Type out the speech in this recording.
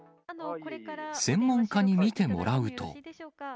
専門家に見てもらうと。